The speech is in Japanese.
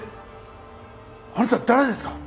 あなた誰ですか？